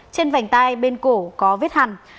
trên vành tay bên cổ có vết hẳn